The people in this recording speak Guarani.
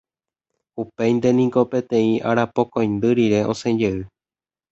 Upéinte niko peteĩ arapokõindy rire osẽjey